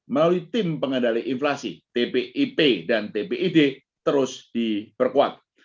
melalui tim pengendali inflasi tpip dan tpid terus diperkuat